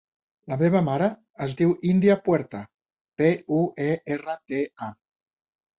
La meva mare es diu Índia Puerta: pe, u, e, erra, te, a.